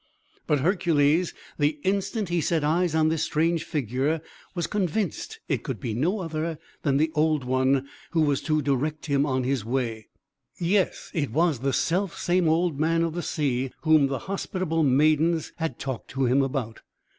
But Hercules, the instant he set eyes on this strange figure, was convinced that it could be no other than the Old One, who was to direct him on his way. Yes, it was the selfsame Old Man of the Sea whom the hospitable maidens had talked to him about.